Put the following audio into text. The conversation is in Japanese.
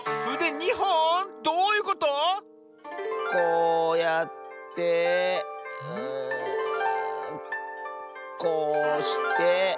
２ほん⁉どういうこと⁉こうやってこうして。